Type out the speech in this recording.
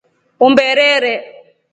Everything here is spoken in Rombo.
Umberee.